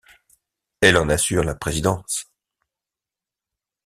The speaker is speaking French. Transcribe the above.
Elle en assure la présidence.